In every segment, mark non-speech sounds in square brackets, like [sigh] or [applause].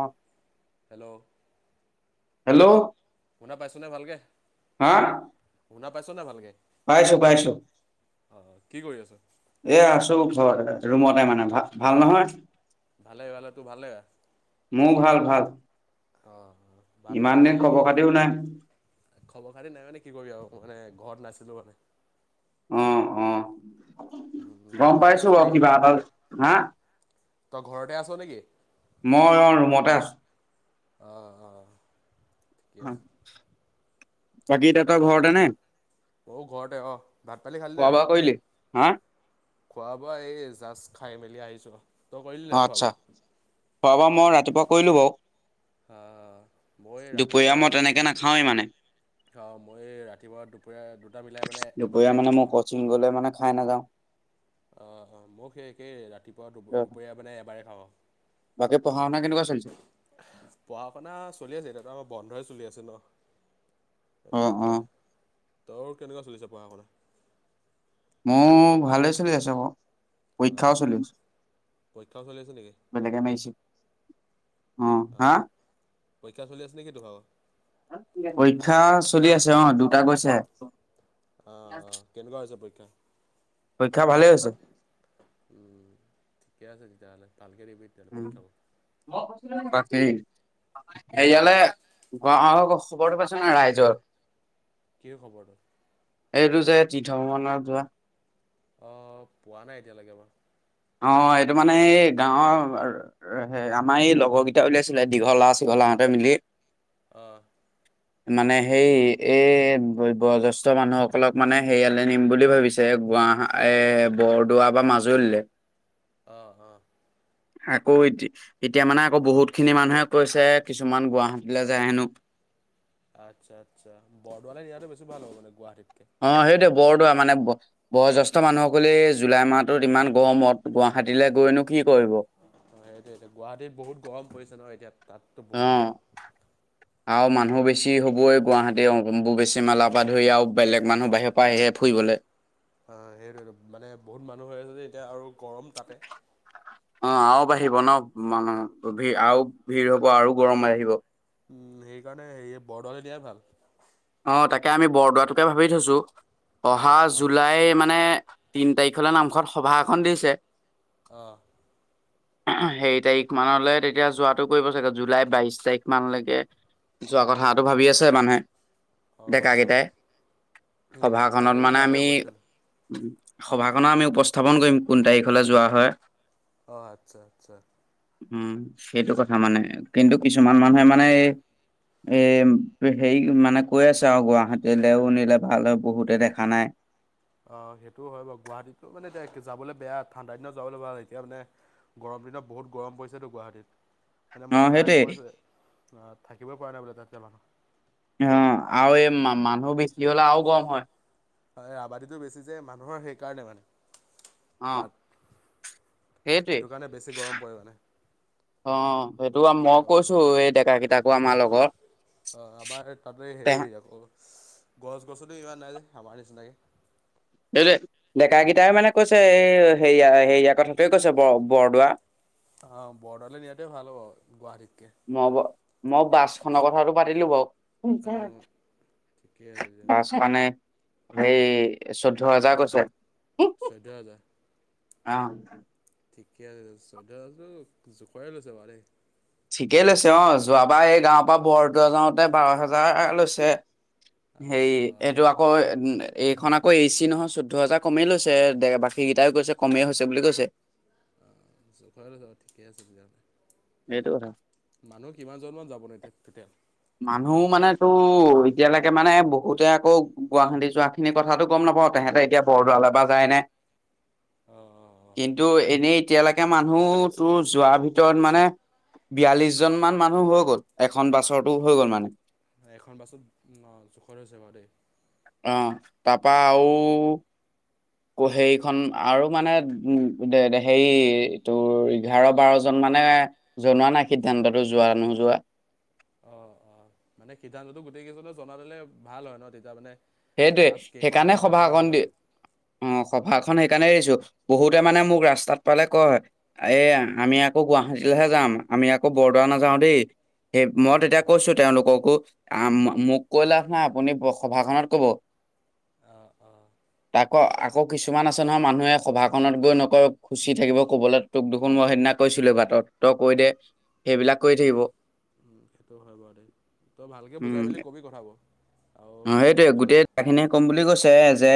অ'। Hello. Hello. শুনা পাইছ' নে ভালকে? হা? শুনা পাইছনে নাই ভালকে? পাইছোঁ পাইছোঁ। অ' কি কৰি আছ? এয়া আছোঁ ঘৰত, ৰুমতে মানে ভাল ভাল নহয় ভালেই ভালেই, তোৰ ভাল নে বেয়া? মোৰ ভাল ভাল অ' ভাত ইমান পানী দিন খালনে খবৰ কি, খাতিও নাই খবৰ খাতি নাই মানে কি কৰিব আৰু মানে ঘৰত নাছিলোঁ মানে অ' অ' উম, তই গম ঘৰতে আছ পাইছোঁ বাও নেকি কিবা এটা হা তই ঘৰতে আছ নে কি? মই অ' ৰুমতে আছোঁ। অ' অ'। অ' বাকী এতিয়া তই ঘৰতে নে? অ' ঘৰতে অ', ভাত-পানী খোৱা খালিনে বোৱা নাই? কৰিলি হা? খোৱা-বোৱা, এই জাষ্ট খাই মেলি আহিছো। অ আচ্ছা খোৱাবা মই ৰাতিপুৱা কৰিলো বাৰু। আহ, মই ৰাতিপুৱা দুপৰীয়া মই তেনেকে নাখাওৱেই মানে। খাওঁ মই ৰাতিপুৱা দুপৰীয়া দুটা বিলাই মানে দুপৰীয়া এবাৰেই মানে মই খাওঁ আৰু। কচিং গলে মানে খাই নাযাওঁ অ অ মোক সেই একেই ৰাতিপুৱা দুপৰীয়া মানে এবাৰে খাওঁ বাকী পঢ়া শুনা কেনেকুৱা চলিছে পঢ়া শুনা চলি আছে এতিয়াতো আমাৰ বন্ধই চলি আছে ন অ', অ'। তৰ কেনেকুৱা চলিছে পঢ়া শুনা? মো ভালেই চলি আছো আকৌ। পইক্ষাও অ', চলি অ', আছে। পৰীক্ষাও চলি আছে নেকি? বেলেগে মাইছি। উ, হা? অ', পৰীক্ষা চলি আছে নে কি তো ভাগ? পৰীক্ষা চলি আছে অ দুটা গৈছে আহ আহ কেনেকুৱা হৈছে পৰীক্ষা পৰীক্ষা ভালেই হৈছে উম ঠিকে আছে তেতিয়াহ'লে। ভালকে দিবি তেতিয়াহ'লে উ পৰীক্ষাবোৰ। মই কৈছিলো নে নাই, তাকে। উম, হেইৱলে, গোৱাও খবৰটো পাইছ না ৰাইজৰ? কিহ খবৰটো? এইটো যে তীৰ্থ ভ্ৰমণত যোৱা। অ' পোৱা নাই এতিয়ালৈকে মই। অ এইটো মানে এই গাঁৱৰ আমাৰ এই লগৰকেইটা উলিয়াইছিলে দীঘলা চিঘলা হতে মিলি। অহ মানে হেই এ ব-বয়োজ্যেষ্ঠ মানুহসকলক মানে হেইয়ালে নিম বুলি ভাবিছে। গুৱাহা, এ বৰদোৱা বা মাজুলীলে। অ', অ'। আকৌ এতি, এতিয়া মানে আকৌ বহুতখিনি মানুহে কৈছে কিছুমান গুৱাহাটীলৈ যায় হেনো। [inaudible] আচ্ছা আচ্ছা বৰদোৱালে ইয়াতো বেছি ভাল হ'ব মানে গুৱাহাটীত অ' হেটোৱে, বৰদোৱা মানে ব, বজ্যেষ্ঠ মানুহসকলে জুলাই মাহটোত ইমান গৱমত গুৱা হাতীলে গৈ নো কি কৰিব অ সেইটোটো গুৱাহাটীত বহুত গৰম পৰিছে ন এতিয়া তাততো বহুত অ' গৰম। আও মানুহ আমাৰ বেছি হ'বই গুৱাহা বে অম্বোবেচী মেলা পা ধই আও বেলেগ মানুহ বাহিৰ পা আহে ফুইবলে। অ' হেটোৱেটো মানে বহুত মানুহ হয় আছে যে এতিয়া আৰু গৰম তাতে। অ' আও বাঢ়িব ন মানু, অ' ভি আও ভিৰ হ'ব আৰু গৰম বাহিব। উম সেইকাৰণে হেয় বৰদোৱালে দিয়াই ভাল অ' তাকে আমি বৰদোৱাটোকে ভাবি থৈছো। অহা অ', অ', জুলাই মানে তিন তাইখলৈ নামঘত সভা এখন দিছে। অঁ সেই তাৰিখ মানলে তেতিয়া যোৱাটো কৰিব চাগে জুলাই বাইশ তাৰিখ মানলৈকে যোৱা কথাটো ভাবি আছে মানুৱে। অ', অ', ডেকাকেইটাই, উম, কিমান সভাখনত তাৰিখলৈ মানে ভালেই আমি হ'ব তেতিয়াহ'লে। সভাখনৰ আমি উপস্থাপন কৰিম কোন তাৰিখলে যোৱা হয় অ' আচ্ছা, আচ্ছা। উম সেইটো কথা মানে কিন্তু কিছুমান মানুহে মানে এই এ সেই মানে কৈ আছে আও গুৱাহাটীলেও নিলে ভাল হয়, বহুতে দেখা নাই। অ' সেইটো হয় বাও গুৱাহাটীতো মানে এতিয়া যাবলৈ বেয়া। ঠাণ্ডা দিনত যাবলৈ ভা এতিয়া মানে গৰ এগিদিনত বহুত গৰম পৰিছেতো গুৱাহাটীত। এনে অ মোৰ দাদাই সেইটোৱে কৈছে, আ থাকিবই পৰা নাই বোলে তাতে মানুহ। আও এই মা-মানুহ বেছি হ'লে আও গৰম হয়। হয় আবাদিটো বেছি যে মানুহৰ সেইকাৰণে মানে অ'। তাত সেইটোৱে সেইটো কাৰণে বেছি গৰম পৰে মানে। অ সেইটো মই আৰু কৈছোঁ এই ডেকা কেইটাকো আমাৰ লগত অ আমাৰ তাতে হেৰি আকৌ গছ গছনি ইমান নাই যে আমাৰ নিচিনাকে ডেকা কেইটাই মানে কৈছে এই হেৰিয়া হেৰিয়াৰ কথাটোৱে কৈছে ব বৰদোৱা। অ বৰ্ডাৰলে নিয়াতে ভাল হ'ব গুৱাহাটীত মই মই বাছখনৰ কথাটো পাতিলোঁ বাৰু অঁ ঠিকেই আছে তেতিয়াহ'লে বাছ মানে সেই চৈধ্যয় হাজাৰ কৈছে। চৈধ্য হাজাৰ অ ঠিকে আছে চৈধ্য হাজাৰটো জোখৰে লৈছে বাৰু দেই। ঠিকেই লৈছে অ যোৱাবাৰ এই গাঁৱৰ পৰা বৰটো যাওঁতে বাৰ হেজাৰ লৈছে। অঁ হেৰী অঁ এইটো আকৌ। এইখন আকৌ এ চি নহয় চৈধ্য হাজাৰ কমেই লৈছে দে বাকীকেইটাইও কৈছে কমেই হৈছে বুলি কৈছে। অ ঠিকে আছে তেতিয়াহলে। এইটো কথা। মানুহ কিমানজন মান যাবনে এতিয়া তেতিয়া। মানুহ মানেতো এতিয়ালৈকে মানে বহুতে আকৌ গুৱাহাটী যোৱা খিনি কথাাতটো গ'ম নাপাওঁ তেহে সিহঁতে এতিয়া বৰদোৱালৰ পৰা যায়নে অঁ অঁ অঁ কিন্তু এনেই তেতিয়া লেকে মানুহ তোৰ যোৱাৰ ভিতৰত মানে বিয়ালিছ জন মান মানুহ হৈ গ'ল এখন বাছৰতো হৈ গ'ল মানুহ এখন বাছত অ' জোখৰ হৈছে বাৰু দেই। অহ তাৰ পৰা আও সেইখন আৰু মানে উ হেৰি তোৰ এঘাৰ বাৰজন মান। মানে জনোৱা নাই সিদ্ধান্ততটো যোৱা নোযোৱা। অ অ মানে সিদ্ধান্তটো গোটেই কেইজনে জনে দিলে ভাল হয় ন তেতিয়া মানে সেইটোৱে বাছ কেইখন সেইকাৰণে হয় হিচাপ কৰিলে সভাখন ভাল দি হয় অ' সভা সভা খন সেইকাৰণে এৰিছো, বহুতে মানে মোক ৰাস্তাত পালে কয় এ আমি আকৌ গুৱাহাটীলৈহে যাওঁ। আমি আকৌ বৰদোৱা নাযাও দেই। সেই মই অঁ তেতিয়া কৈছো তেওঁলোক কো মোক কৈ লাভ নাই আপুনি সভাখনত। ক'ব অঁ অঁ আকৌ আকৌ কিছুমান আছে নহয় মানুহে সভাখনত গৈ নকৈ খুচি থাকিব কবলৈ তোক দুখন সিদিনা কৈছিলো বাটত তই কৈ দে সেইবিলাক কৰি উম, থাকিব। উম, সেইটো হয় বাৰু দেই তই ভালকৈ বুজাই উম মেলি ক'বি কথাব আৰু কিমানজন। কথা খিনিয়ে ক'ম বুলি কৈছে যে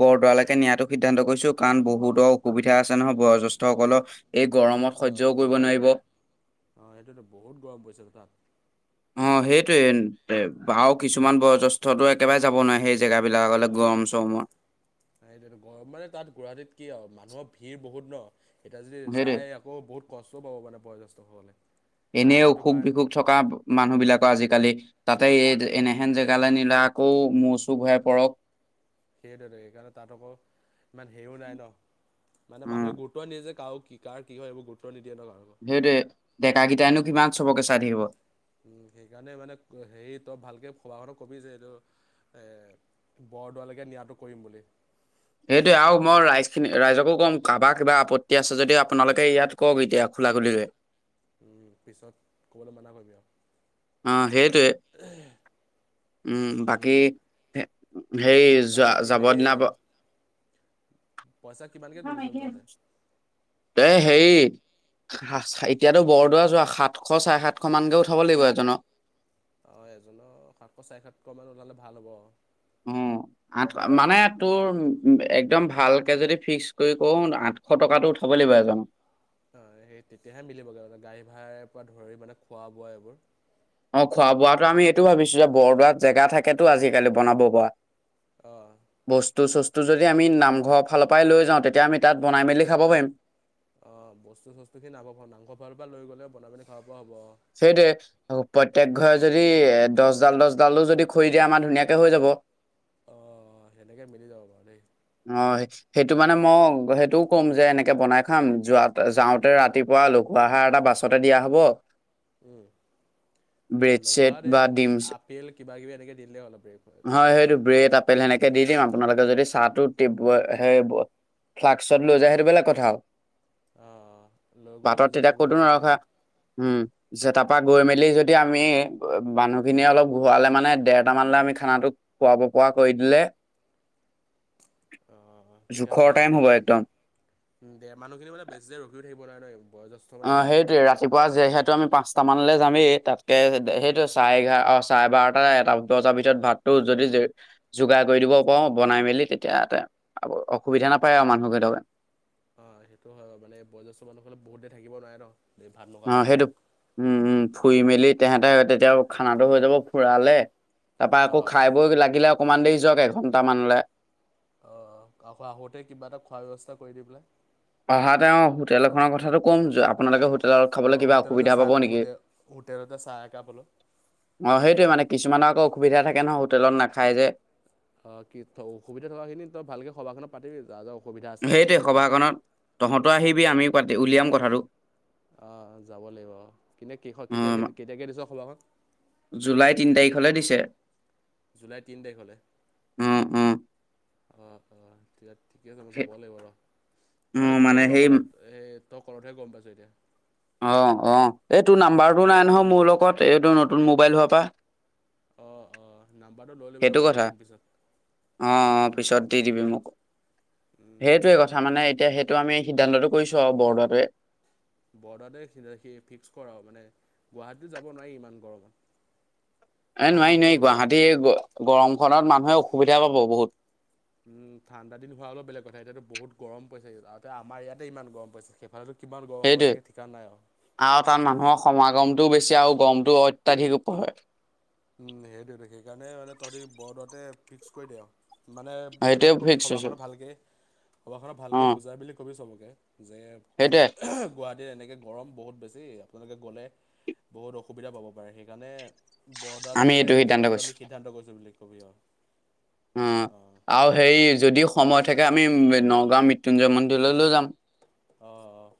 বৰদৰালৈকে নিয়াাতো সিদ্ধান্ত কৰিছো কাৰণ বহুতৰ অসুবিধা আছে নহয়। বয়জ্যেষ্ঠসকলক এই গৰমত সহ্যও অ', কৰিব অ'। নোৱাৰিব। অ', সেইটোতো বহুত গৰম পৰিছে তাত। অ সেইটোৱে আৰু কিছুমান বয়জ্যেষ্ঠতো একেবাৰে যাব নোৱাৰে সেই জেগাবিলাকলে গৰম চম গৰমত। এইটো টো মানে তাত গুৱাহাটীত কি আৰু মানুহৰ ভিৰ বহুত ন' এতিয়া যদি সেইটোৱে যায় আকৌ বহুত কষ্টও পাব মানে বয়োজ্যেষ্ঠ সকলে। এনেই অসুখ বিসুখ থকা মানুহ বিিলাকৰ আজিকালি তাতে এনেহেন জেগা গালে নীলা আকৌ মৌ চু ঘূৰাই পৰক। সেইটোৱ সেইকাৰণে তাত আকৌ ইমান হেৰিও নাই ন মানে উম মানুহে গুৰুত্ব দিয়ে যে কাৰক। কি কাৰ কি হয় এইবোৰ গুৰুত্ব নি দিয়ে নহয়। সেইটোৱে ডেকা কেইটনো কিমান চবকেচ থাকিব। উম, সেইকাৰণে মানে হেৰি তই ভালকে খুৰা হঁতক কবি যে এইটো এ বৰদোৱালৈকে নিয়াটো কৰিম বুলি। সেইটোয়ে আৰু মই ৰাইজ খিনি ৰাইজকো কম কাৰোবাৰ কিবা আপত্তি আছে যদি আপোনালোকে ইয়াত কওক এতিয়া। খোলাখুলিকৈ উম পিছত ক'বলৈ মানা কৰিবি আৰু অ' সেইটোৱে উম বাকী হেই যোৱা বাকী কি যাবৰ হেৰি দিনা [inaudible] পইচা কিমানকে তুলিচ তহঁতে? এ হেৰি এতিয়াতো বৰদোৱা যোৱা সাতশ চাৰে সাতশ মানকে উঠাব লাগিব এজনৰ। অ' এজনৰ সাতশ চাৰে সাতশ মান ওলালে ভাল হব উম আঠ মানে তোৰ একদম ভালকে যদি ফিক্স কৰি কও আঠশ টকাটো উঠিব [unintelligible] অ' সেই তেতিয়াহে মিলিবগে মানে গাড়ী ভাড়াৰ পৰা ধৰি মানে খোৱা বোৱা এইবোৰ। অ' খোৱা বোৱাতো আমি এইটো ভাবিছো যে বৰদোৱাত জেগা থাকেতো আজিকালি বনাব পৰা। অ', বস- বস্তু চস্তু যদি আমি নামঘৰৰ ফালৰ পৰাই লৈ যাওঁ তেতিয়া আমি তাত বনাই মেলি খাব পাৰিম অ' বস্তু চস্তুখিনি আ' নামঘৰৰ ফালৰ পৰা লৈ গলে বনাই পিনে খাব পৰা হ'ব। সেইটোয়ে, প্ৰত্যক ঘৰে যদি এ দহ' ডাল-দহ' ডালো যদি খৰি দিয়ে আমাৰ ধুনীয়াকে হৈ যাব। [unintelligible] অ', সেনেকে মিলি যাব বাৰু দেই অ' সেইটো মানে মই সেইটোও কম যে এনেকে বনাই খাম যোৱা যাওঁতে ৰাতিপুৱা লঘুআহাৰ এটা বাছতে দিয়া হব উম। অ' ব্ৰেড লঘু চেড আহাৰত এই বা ডিম আপেল কিবা কিবি এনেকে দিলে অলপ তেনেকে সেই এনেকে দি দিম আপোনালোকে যদি চাহ টো ফ্লাক্সত লৈ যায় সেইটো বেলেগ কথা আৰু অ' লৈ গ'লে পাতত লৈ যাব পাৰিব তেনেক কৰিবি পিছে তাৰ পৰা গৈ মেলি যদি আমি মানুহখিনিয়ে অলপ ঘূৰালে মানে দেৰটা মানলে আমি খানাটো খোৱাব পৰা কৰি দিলে অ' তেতিয়া জোখৰ ভাল টাইম হ'ব একদম উ দে মানুহখিনি মানে বেছি দে ৰখিও থাকিব নোৱৰে ন বয়োজ্যেষ্ঠ মানুহ অ' যে সেইটোয়ে ৰাতিপুৱা যেহে টো আমি পাঁচটামানলৈ যামেই তাতকৈ সেইটো অঁ চাৰে এঘাৰ অ' চাৰে বাৰটা এটা বজাৰ ভিতৰত ভাত টো যদি যোগাৰ কৰি দিব পাৰো বনাই মেলি তেতিয়াতে অসুবিধা নাপায় আৰু মানুহকেইটাই। [unintelligible] অ' সেইটো হয় মানে বয়োজেষ্ঠ মানুহ হলে বহুত দেৰি থাকিব নোৱাৰে ন এই ভাত নোখোৱাকে অ' সেইটো উম উম ফুই মেলি তেহেতে তেতিয়া খানাটো হৈ যাব ফুৰালে, তাৰপা আকৌ অঁ খাই বৈ লাগিলে অকণমান দেৰি যাওক এঘণ্টামানলৈ অ' আকৌ আহোতে কিবা এটা খোৱাৰ ব্যৱস্থা কৰি দি পেলাই অহাতে তেওঁ হোটেল এখনৰ কথাটো ক'ম আপোনালোকে হোটেল অ' হোটেলতে চাহ হোটেলতে চাহ একাপ হ'লও অ সেইটোৱে মানে কিছুমানৰ আকৌ অসুবিধা থাকে নহয় হোটেলত নাখায় যে অ' কি অসুবিধা থকা খিনি তই ভালকে সভাখনত পাতিবি যাৰ যাৰ অসু সেইটোৱে সভাখনত তহঁতো আহিবি আমিও পাতি উলিয়াম কথাটো আহ যাব লাগিব। কিন্তু কি অ কেতিয়া কেতিয়াকে দিছ সভাখন? জুলাই তিনি তাৰিখলে দিছে জুলাই তিন তাৰিখলে। অ অ আহ, অ' ঠিকে। ঠিকে আছে মই সেই- যাব লাগিব ৰ অ মই মানে গমেই নাপাও সেই কথাত সে তই কওতেহে গম পাইছো এতিয়া অ' অ' এই তোৰ নাম্বাৰটো নাই নহয় মোৰ লগত, এইটো নতুন মোবাইল হোৱাৰ পৰা। [inaudible] অঁ অঁ নাম্বাৰটো লৈ ল'বি ৰ সেইটো মই দি কথা দিম পিছত অ' অ' উম পিছত দি উম দিবি মোক উম সেইটোয়ে নাম্বাৰটো কথা, মানে এতিয়া সেইটো আমি সিদ্ধান্তটো কৰিছো আৰু বৰদোৱাটোৱে। বৰদুৱাটোৱে [unintelligible] ফিক্স কৰ আৰু মানে গুৱাহাটীতো যাব নোৱাৰি ইমান গৰমত। এ ঠাণ্ডা নোৱাৰি দিন নোৱাৰি, হ'লেও গুৱাহাটী গৰমখনত মানুহে অসুবিধা পাব বহুত। উম ঠাণ্ডা দিন হোৱা হ'লে বেলেগ কথা এতিয়াতো বহুত গৰম পৰিছে এতিয়া আমাৰ ইয়াতে ইমান গৰম পাইছে সেইফালেটো সেইটোৱে, আৰু তাত মানুহৰ সমাগম টো বেছি আৰু গৰমটো অত্যাধিক হয় উম সেইটোয়েতো, সেইকাৰণে মানে তহঁতি বৰদোৱাতে ফিক্স কৰি দে আও। মানে সেইটোৱে সেৰিয়ত কবি ফিক্স হৈছো সভাখনত ভালকে সভাখনৰ অ ভালকে বুজাই পেলি কবি চবকে। যে সেইটোৱে গুৱা এহ এনেকে গৰম বহুত বেছি আপোনালোকে গ'লে বহুত অসুবিধা পাব পাৰে সেইকাৰণে আমি বৰদোৱালৈকে এইটো সিদ্ধান্ত যোৱাটো কৰিছো আমি সিদ্ধান্ত কৰিছো বুলি কবি আৰু উম, অঁ অঁ আৰু সেই যদি সময় থাকে, আমি নগাঁওৰ মৃত্যুঞ্জয় মন্দিৰলৈ যাম। অ', অ'।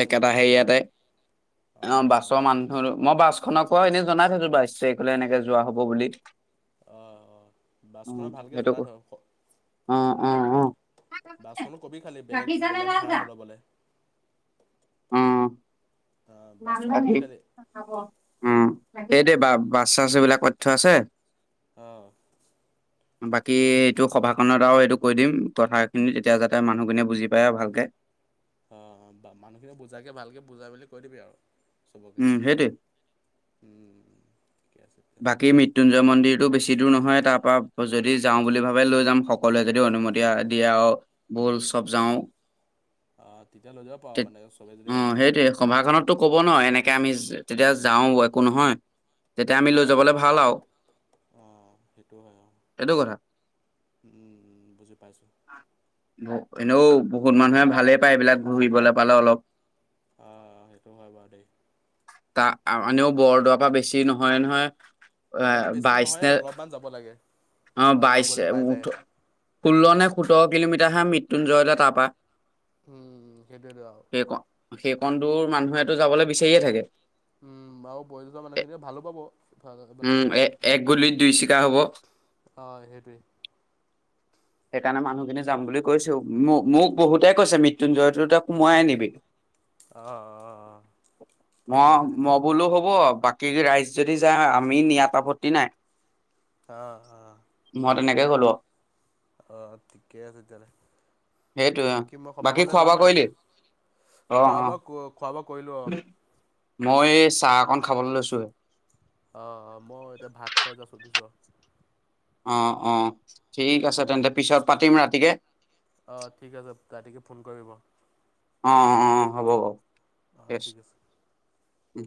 একেটা হেৰিয়াতে অঁ অ', অঁ বাছৰ মানুহো মই বাছখনক কোৱা এনে জনাই থৈছো বাইছ তাৰিখলে এনেকে যোৱা হ'ব বুলি। অঁ অঁ বাছখনত ভালকে জনাই থ। উম -উম -উম, বাছখনো কবি খালি বেলেগ গাখীৰ চাহ নে বেলেগ লাল ভাড়া চাহ? নল'বলৈ অ'। অঁ বাছখনত কবি খালি [unintelligible] উম, এই দেই বা-বাছ, চাচ এইবিলাক অঁ [unintelligible] বাকী ঠিকে আছে এইটো তেতিয়া সভাখনত আৰু এইটো কৈ দিম কথাখিনি তেতিয়া যাতে মানুহখিনিয়ে বুজি পায় আৰু ভালকে অ', মানুহখিনি বুজাকে ভালকে বুজাই মেলি কৈ দিবি আৰু। চবকে, উম, সেইটোৱে। উম ঠিকে আছে তেতিয়াহ'লে বাকী মৃত্যুঞ্জয় মন্দিৰটো বেছি দূৰ নহয়, তাৰ পৰা যদি যাওঁ বুলি ভাবে লৈ যাম সকলোৱে যদিও অনুমতি য়া-দিয়ে আৰ বল চব যাওঁ। অঁ তেতিয়া লৈ যাব পাৰ মানে চবে যদি অ', অনুমতি সেইটোৱে দিয়ে তেতিয়া সভাখনতটো ক'ব ন এনেকে আমি তেতিয়া যাওঁ একো নহয়, তেতিয়া আমি লৈ যাবলৈ অঁ ভাল আৰু। অঁ সেটো কথা। উম, উম, বুজি পাইছোঁ। এনেও বহুত মানুহে ভালেই পায় এইবিলাক ঘূৰিবলৈ পালে অলপ অ', সেইটো হয়, বাৰু দেই। তা, আ-এনেও বৰদোৱাৰ পৰা বেছি নহয়, নহয়। এ বৰদোৱাটো বেছি দুৰ বাইশ নে নহয়ে অলপমান যাব লাগে অ', অলপমান বাইচ, গ'লে পাই যায় ওঠ-ষোল্ল নে সোঁতৰ কিলোমিটাৰ হে মৃত্যুঞ্জয়লৈ তাপা উম, সেইটোৱেটো‌ আৰু। সেইকণ দূৰ মানুহেটো যাবলৈ বিচাৰিয়ে থাকে। উম আৰু বয়সস্থ এ মানুহখিনিয়ে ভালো পাব উম এ এক গুলিত দুই চিকাৰ হব [unintelligible] অ', সেইটোৱেই। সেইকাৰণে মানুহখিনি যাম বুলি কৈছেয়ো, মোক, মোক বহুতে কৈছে মৃত্যুঞ্জয়টোতে সোমোৱাই ‌আনিবি। অ', অ'। ম-ম বোলো হ'ব বাকী ৰাইজ যদি যায় আমি নিয়াত আপত্তি নাই। অ' - অ'। মই তেনেকে ক'লো অ' ঠিকেই আছে, তেতিয়া হ'লে। সেইটোৱে বাকী মই সভাখনলে খোৱা বোৱা যাম কৰিলি বাৰু অ খোৱা অ বোৱা খোৱা কৰিলোঁ অ', মই চাহ অকণ খাবলৈ লৈছোঁহে। অ মই এতিয়া ভাত খাই এ চধিছো আৰু [unintelligible] অ' অ' ঠিক আৰু আছে তেন্তে পিছত পাতিম ৰাতিকে। অঁ ঠিক আছে ৰাতিকে ফোন কৰিব। অ' অ' অ' হ'ব বাৰু। অ' ঠিক আছে। উম।